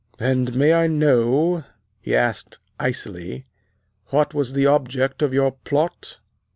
"And may I know," he asked icily, "what was the object of your plot!"